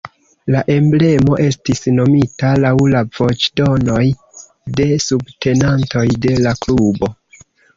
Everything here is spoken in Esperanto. La emblemo estis nomita laŭ la voĉdonoj de subtenantoj de la klubo.